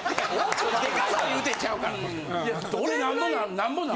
でかさを言うてんちゃうからな。